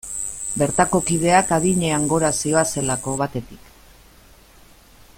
Bertako kideak adinean gora zihoazelako, batetik.